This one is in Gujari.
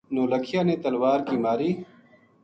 نولکھیا نے تلوار کی ماری